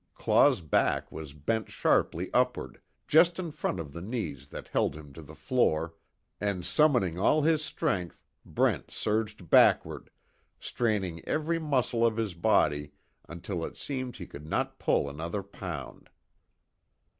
Claw's back was bent sharply upward just in front of the knees that held him to the floor, and summoning all his strength Brent surged backward, straining every muscle of his body until it seemed he could not pull another pound.